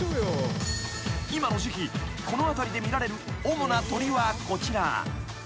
［今の時季この辺りで見られる主な鳥はこちら］